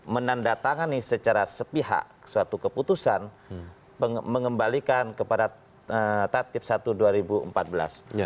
menandatangani secara sepihak suatu keputusan mengembalikan kepada tatip satu dua ribu empat belas